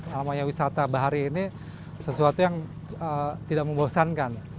namanya wisata bahari ini sesuatu yang tidak membosankan